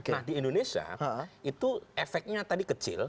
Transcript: nah di indonesia itu efeknya tadi kecil